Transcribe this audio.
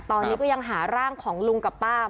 พี่บูรำนี้ลงมาแล้ว